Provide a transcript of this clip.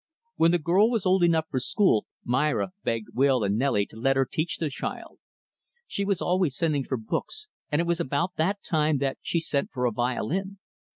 When the girl was old enough for school, Myra begged Will and Nelly to let her teach the child. She was always sending for books and it was about that time that she sent for a violin.